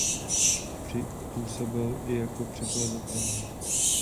Působil i jako překladatel.